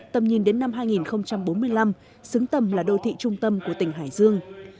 tầm nhìn đến năm hai nghìn bốn mươi năm xứng tầm là đô thị trung tâm của tỉnh hải dương